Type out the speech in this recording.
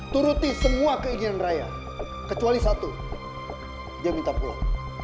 turuti semua keinginan raya kecuali satu dia minta pulang